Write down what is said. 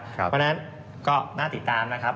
เพราะฉะนั้นก็น่าติดตามนะครับ